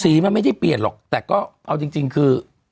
มันไม่ได้เปลี่ยนหรอกแต่ก็เอาจริงคือ